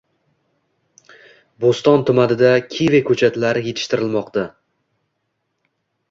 Bo‘ston tumanida kivi ko‘chatlari yetishtirilmoqda